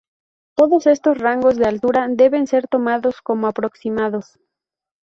Todos estos rangos de Altura deben ser tomados como aproximados.